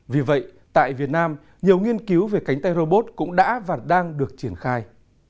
vì vậy tại việt nam nhiều nghiên cứu về cánh tay robot cũng đã và đang được triển khai